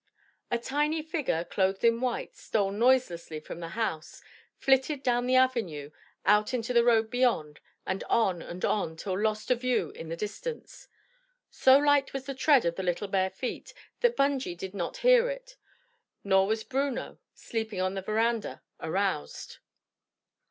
A tiny figure, clothed in white, stole noiselessly from the house, flitted down the avenue, out into the road beyond, and on and on till lost to view in the distance. So light was the tread of the little bare feet, that Bungy did not hear it, nor was Bruno, sleeping on the veranda, aroused.